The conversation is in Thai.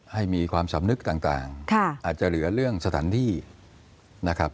ให้มีความสำนึกต่างอาจจะเหลือเรื่องสถานที่นะครับ